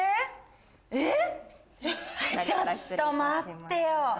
ちょっと待ってよ。